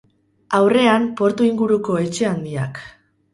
Aurrean, portu inguruko etxe handiak.